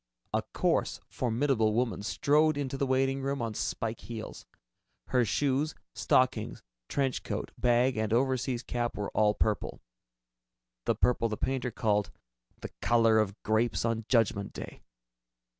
A coarse, formidable woman strode into the waiting room on spike heels. Her shoes, stockings, trench coat, bag and overseas cap were all purple, the purple the painter called "the color of grapes on Judgment Day."